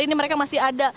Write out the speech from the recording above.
ini mereka masih ada